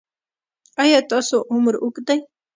ایا ستاسو عمر اوږد دی؟